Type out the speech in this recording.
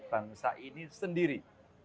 bangsa ini sendiri